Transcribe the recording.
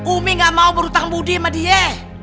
umi gak mau berhutang budi sama dia